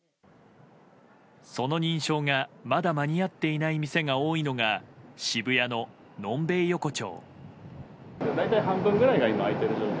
その認証が、まだ間に合っていない店が多いのが渋谷の、のんべい横丁。